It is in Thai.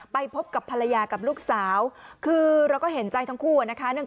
ไปพบกับภรรยากับลูกสาวคือเราก็เห็นใจทั้งคู่นะคะ